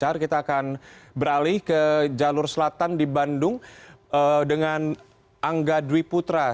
kita akan beralih ke jalur selatan di bandung dengan angga dwi putra